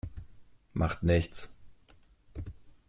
Macht nichts.